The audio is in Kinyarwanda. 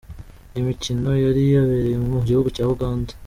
Iyi mikino yari yabereye mu gihugu cya Uganda.